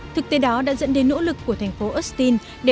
thực tế đó đã dẫn đến nỗ lực của thành phố austin để bảo đảm